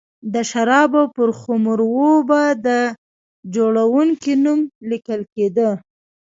د شرابو پر خُمر و به د جوړوونکي نوم لیکل کېده